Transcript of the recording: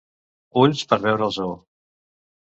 Ulls per veure el zoo.